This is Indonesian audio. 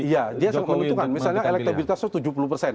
jokowi untuk menentukan misalnya elektabilitasnya